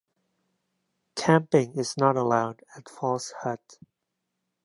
Camping is not allowed at Falls Hut.